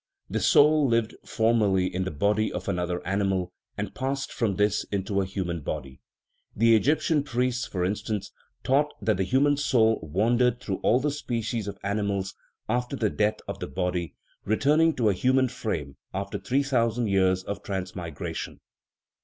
The soul lived for merly in the body of another animal, and passed from this into a human body. The Egyptian priests, for in stance, taught that the human soul wandered through all the species of animals after the death of the body, returning to a human frame after three thousand years of transmigration.